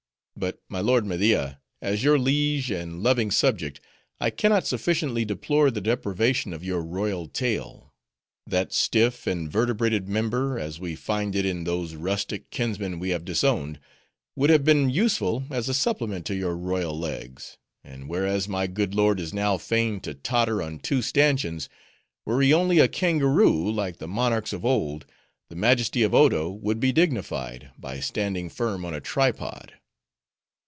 But, my lord Media, as your liege and loving subject I can not sufficiently deplore the deprivation of your royal tail. That stiff and vertebrated member, as we find it in those rustic kinsmen we have disowned, would have been useful as a supplement to your royal legs; and whereas my good lord is now fain to totter on two stanchions, were he only a kangaroo, like the monarchs of old, the majesty of Odo would be dignified, by standing firm on a tripod."